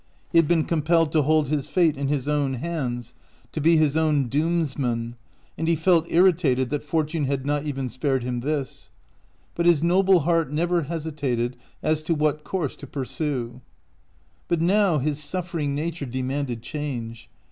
He had been compelled to hold his fate in his own hands, to be his own doomsman, and he felt irri tated that fortune had not even spared him this ; but his noble heart never hesitated as to what course to pursue. 15 225 OUT OF BOHEMIA But now his suffering nature demanded change.